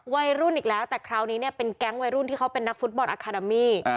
วัยรุ่นอีกแล้วแต่คราวนี้เนี่ยเป็นแก๊งวัยรุ่นที่เขาเป็นนักฟุตบอลอาคาดามี